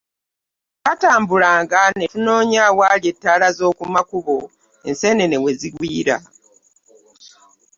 Twatambulanga netunyoonya awali ettalazo ku makubo, ensenene wezigwiira.